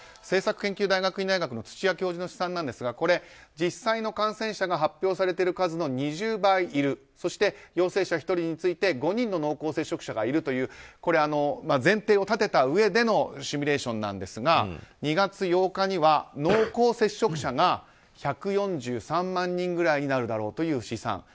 政策研究大学院大学の土谷教授による資産ですがこれ、実際の感染者が発表されている数の２０倍いるそして、陽性者１人について５人の濃厚接触者がいるという前提を立てたうえでのシミュレーションですが２月８日には濃厚接触者が１４３万人ぐらいになるだろうという試算。